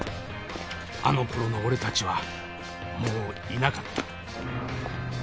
あのころの俺たちはもういなかった。